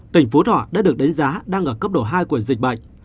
tỉnh phú thọ đã được đánh giá đang ở cấp độ hai của dịch bệnh